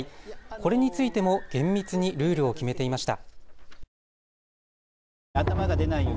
これについても厳密にルールを決めていました。